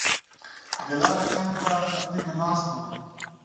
د لارې څنګ ته پر تیږو ناست وو.